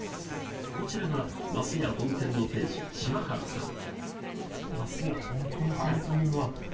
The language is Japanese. こちらがますや本店の店主柴原さん